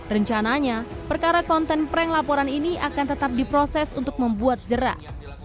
rencananya perkara konten prank laporan ini akan tetap diproses untuk membuat jerak